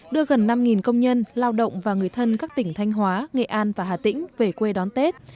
đưa gần năm công nhân lao động và người thân các tỉnh thanh hóa nghệ an và hà tĩnh về quê đón tết